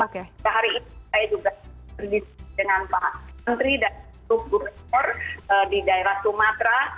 kemudian hari ini saya juga berdiskusi dengan pak menteri dan bukur spor di daerah sumatra